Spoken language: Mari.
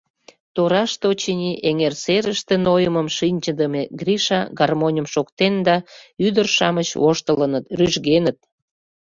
Тораште, очыни, эҥер серыште, нойымым шинчыдыме Гриша гармоньым шоктен да ӱдыр-шамыч воштылыныт, рӱжгеныт.